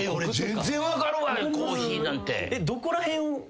俺全然分かるわコーヒーなんて。